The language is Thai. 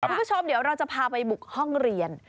คุณผู้ชมเดี๋ยวเราจะพาไปบุกห้องเรียน